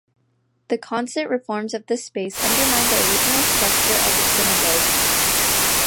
The constant reforms of this space undermined the original structure of the synagogue.